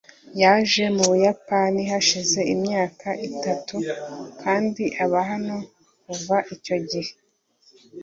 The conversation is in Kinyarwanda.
yaje mu Buyapani hashize imyaka itatu kandi aba hano kuva icyo gihe.